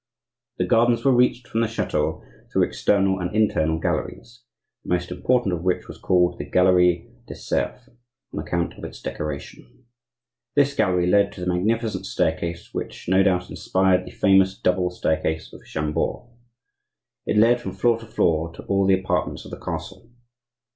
The gardens were reached from the chateau through external and internal galleries, the most important of which was called the "Galerie des Cerfs" on account of its decoration. This gallery led to the magnificent staircase which, no doubt, inspired the famous double staircase of Chambord. It led, from floor to floor, to all the apartments of the castle.